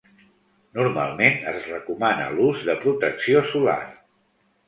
Normalment es recomana l'ús de protecció solar.